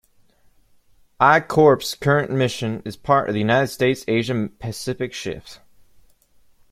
I Corps' current mission is part of the United States' Asia-Pacific Shift.